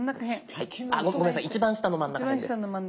あっごめんなさい一番下の真ん中へんです。